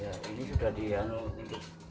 ya ini sudah diaksesnya kok